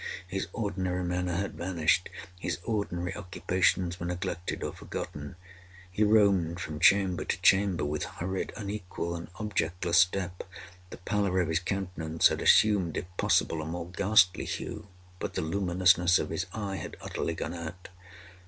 His ordinary manner had vanished. His ordinary occupations were neglected or forgotten. He roamed from chamber to chamber with hurried, unequal, and objectless step. The pallor of his countenance had assumed, if possible, a more ghastly hue—but the luminousness of his eye had utterly gone out.